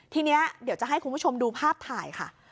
ทีนี้เดี๋ยวจะให้คุณผู้ชมดูภาพถ่ายค่ะ